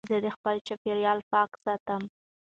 زه خپل چاپېریال پاک ساتم.